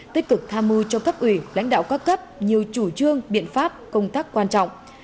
tích cực tham mưu cho cấp ủy lãnh đạo các cấp nhiều chủ trương biện pháp công tác quan trọng